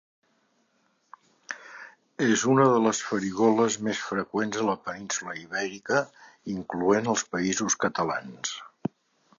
És una de les farigoles més freqüents a la península Ibèrica incloent els Països Catalans.